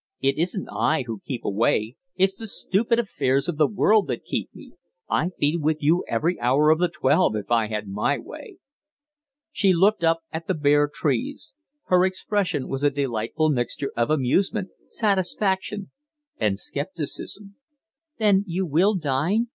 "It isn't I who keep away it's the stupid affairs of the world that keep me. I'd be with you every hour of the twelve if I had my way." She looked up at the bare trees. Her expression was a delightful mixture of amusement, satisfaction, and scepticism. "Then you will dine?"